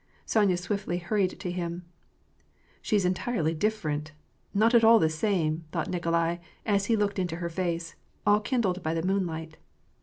Sonya swiftly hurried to him. "She's entirely different; not at all the same," thought Nik olai, as he looked into her face, all kindled by the moonlight.